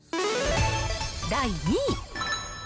第２位。